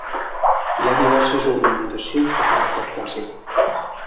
Hi ha diverses ornamentacions de caràcter clàssic.